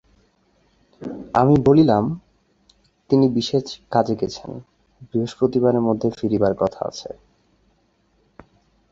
আমি বলিলাম, তিনি বিশেষ কাজে গেছেন, বৃহস্পতিবারের মধ্যে ফিরিবার কথা আছে।